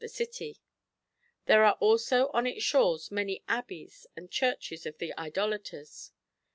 I47 the city. There are also on its shores many abbeys and churches of the Idolaters.